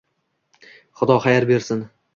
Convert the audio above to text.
Xudo xayr bersin